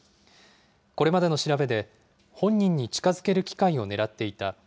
これまでの調べで、本人に近づける機会を狙っていた。